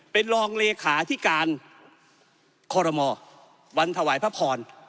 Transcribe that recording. เป็นรองเลขาที่การคอรมอวันถวายพระพร